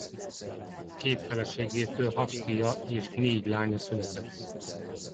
Két feleségétől hat fia és négy lánya született.